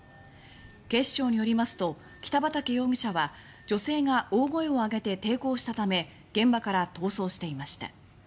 警視庁によりますと北畠容疑者は女性が大声をあげて抵抗したため現場から逃走していました。